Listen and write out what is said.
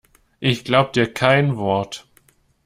Ich glaub dir kein Wort!